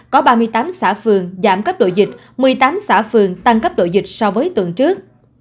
có ba mươi tám xã phường giảm cấp độ dịch một mươi tám xã phường tăng cấp độ dịch so với tuần trước